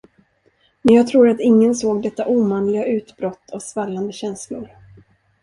Men jag tror att ingen såg detta omanliga utbrott av svallande känslor.